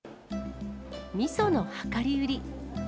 みその量り売り。